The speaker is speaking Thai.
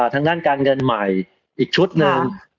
ทางด้านการเงินใหม่อีกชุดหนึ่ง